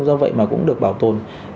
do vậy mà cũng được bảo tồn